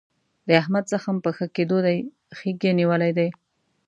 د احمد زخم په ښه کېدو دی. خیګ یې نیولی دی.